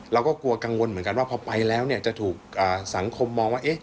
เราก็กลัวกังวลเหมือนกันว่าพอไปแล้วจะถูกสังคมมองว่า